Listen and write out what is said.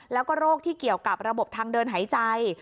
แล้วก็โรคที่เกี่ยวกับระบบทางเดินหายใจ